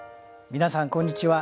皆さんこんにちは。